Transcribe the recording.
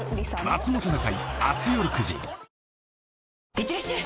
いってらっしゃい！